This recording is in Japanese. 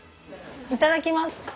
いただきます。